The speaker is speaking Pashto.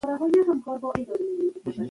تاسو ته چا د دې پېښو په اړه وویل؟